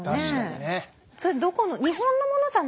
それどこの。